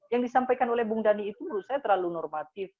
yang disampaikan oleh bung dhani itu menurut saya terlalu normatif